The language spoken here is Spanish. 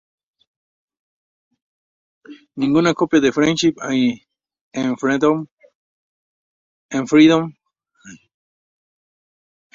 Ninguna copia de "Friendship and Freedom" ha sobrevivido el tiempo.